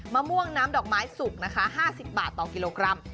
มะม่วงน้ำดอกไม้สุกนะคะ๕๐บาทต่อกิโลกรัม